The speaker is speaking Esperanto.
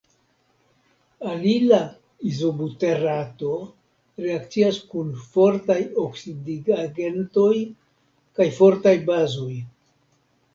Alila izobuterato reakcias kun fortaj oksidigagentoj kaj fortaj bazoj.